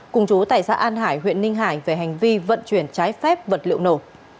cùng chú tại xã an hải huyện ninh hải về hành vi vận chuyển trái phép vật liệu nổ